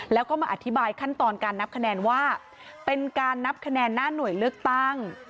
แล้วก็มาอธิบายขั้นตอนการนับคะแนนว่าเป็นการนับคะแนนหน้าหน่วยเลือกตั้ง